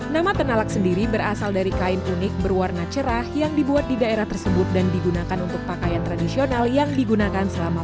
nama tenalak sendiri berasal dari kain unik berwarna cerah yang dibuat di daerah tersebut dan digunakan untuk pakaian tradisional yang digunakan selama